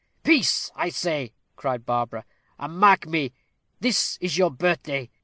"Peace, I say!" cried Barbara, "and mark me. This is your birthday.